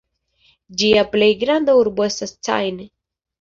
Ĝia plej granda urbo estas Caen.